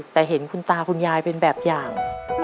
แต่เห็นคุณตาคุณยายเป็นแบบอย่าง